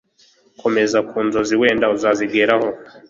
komera ku nzozi wenda uzazigeraho